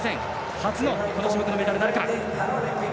初のこの種目のメダルなるか。